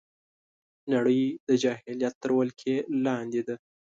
نړۍ د جاهلیت تر ولکې لاندې ده